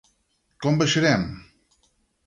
Com baixarem?